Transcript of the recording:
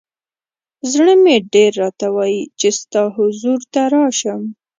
ز ړه مې ډېر راته وایی چې ستا حضور ته راشم.